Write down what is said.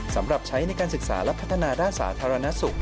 สำหรับใช้ในการศึกษาและพัฒนาด้านสาธารณสุข